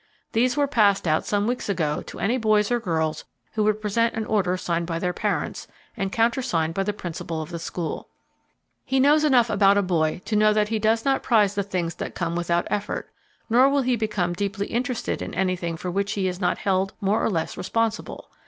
These were passed out some weeks ago to any boys or girls who would present an order signed by their parents, and countersigned by the principal of the school. He knows enough about a boy to know that he does not prize the things that come without effort, nor will he become deeply interested in anything for which he is not held more or less responsible.